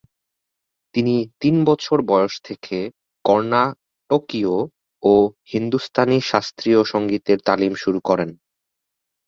তিনি তিন বছর বয়স থেকে কর্ণাটকীয় ও হিন্দুস্তানি শাস্ত্রীয় সংগীতের তালিম শুরু করেন।